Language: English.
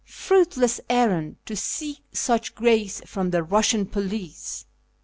Fruitless errand, to seek such grace from the Eussian police !